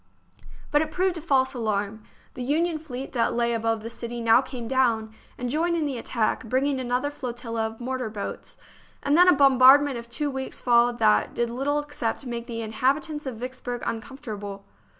But it proved a false alarm. The Union fleet that lay above the city now came down, and joined in the attack, bringing another flotilla of mortar boats; and then a bom bardment of two weeks followed that did little except make the inhabitants of Vicksburg uncom fortable.